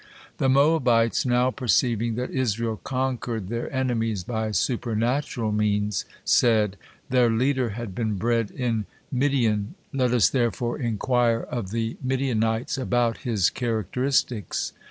The Moabites now perceiving that Israel conquered their enemies by supernatural means said, "Their leader had been bred in Midian, let us therefore inquire of the Midianites about his characteristics."